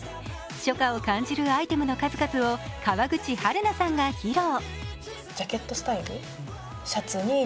初夏を感じるアイテムの数々を川口春奈さんが披露。